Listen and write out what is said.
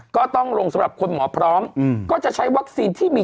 ก็ต้องลงสำหรับคนหมอพร้อม